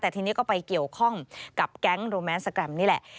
แต่ทีนี้ก็ไปเกี่ยวข้องกับแก๊งโรแมนสแกรมนี่แหละ